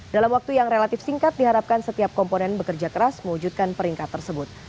dalam waktu yang relatif singkat diharapkan setiap komponen bekerja keras mewujudkan peringkat tersebut